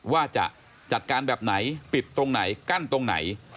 ว่าจะจัดการแบบไหนปิดตรงไหนกั้นตรงไหน